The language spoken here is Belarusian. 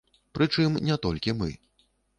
Прычым не толькі мы.